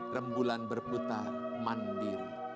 rembulan berputar mandiri